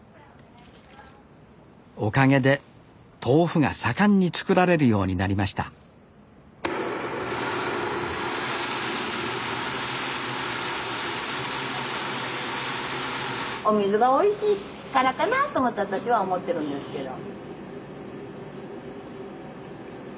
おかげで豆腐が盛んに作られるようになりましたお水がおいしいからかなと思って私は思ってるんですけど。